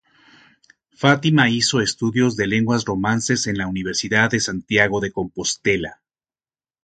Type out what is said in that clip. Fátima hizo estudios de lenguas romances en la Universidad de Santiago de Compostela.